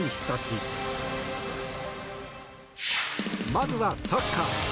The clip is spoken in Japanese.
まずは、サッカー。